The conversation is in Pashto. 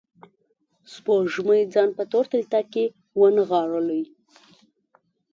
سپوږمۍ ځان په تور تلتک کې ونغاړلي